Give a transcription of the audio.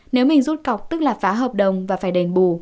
nếu mình rút cọc tức là phá hợp đồng và phải đền bù